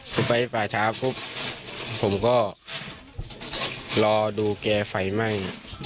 คือไปป่าช้าปุ๊บผมก็รอดูแกไฟไหม้